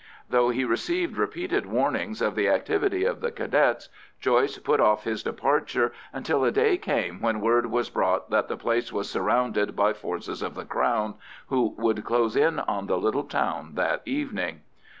Though he received repeated warnings of the activity of the Cadets, Joyce put off his departure, until a day came when word was brought that the place was surrounded by forces of the Crown, who would close in on the little town that evening.